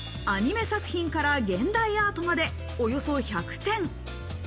アニメ作品から現代アートまでおよそ１００点。